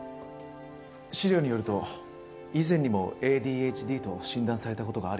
資料によると以前にもＡＤＨＤと診断された事があるようですが。